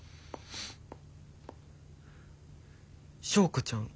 昭子ちゃん